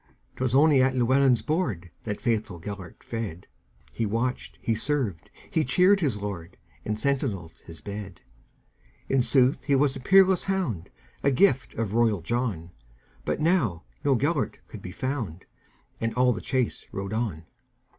'T was only at Llewelyn's boardThe faithful Gêlert fed; He watched, he served, he cheered his lord, And sentineled his bed.In sooth he was a peerless hound, The gift of royal John; But now no Gêlert could be found, And all the chase rode on.